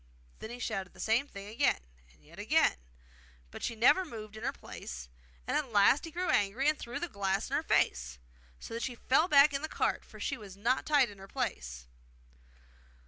Then he shouted the same thing again, and yet again, but she never moved in her place; and at last he grew angry, threw the glass in her face, so that she fell back into the cart, for she was not tied in her place.